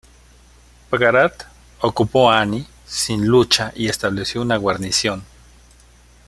Bagrat ocupó Ani sin lucha y estableció una guarnición.